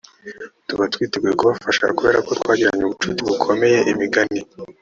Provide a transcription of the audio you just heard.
tuba twiteguye kubafasha kubera ko tuba twaragiranye ubucuti bukomeye imigani